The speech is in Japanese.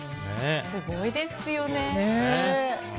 すごいですよね。